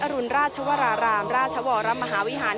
พาคุณผู้ชมไปติดตามบรรยากาศกันที่วัดอรุณราชวรรมมหาวิหารค่ะ